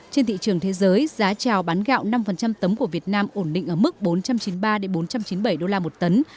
trên thị trường thế giới giá trào bán gạo năm tấm của việt nam ổn định ở mức bốn trăm chín mươi ba bốn trăm chín mươi bảy đô la một tấn